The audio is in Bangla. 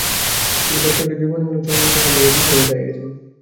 তিনি বেশ কয়েকটি জীবনীমূলক চলচ্চিত্র এবং বইয়ের বিষয় হয়ে দাঁড়িয়েছেন।